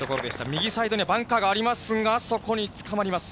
右サイドにはバンカーがありますが、そこにつかまります。